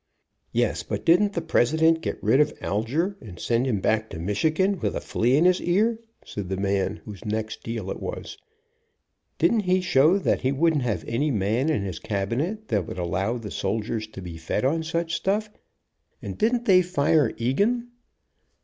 "Yes, but didn't the President get rid of Alger, and send him back to Michigan with a flea in his ear?" said the man whose next deal it was. "Didn't he show that he wouldn't have any man in his cabinet that would allow the soldiers to be fed on such stuff, and didn't they nre Eagan?"